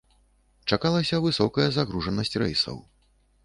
Чакалася высокая загружанасць рэйсаў.